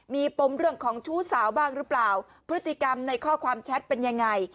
มีปมเรื่องของชู้สาวบ้างหรือเปล่าพฤติกรรมในข้อความแชทเป็นยังไง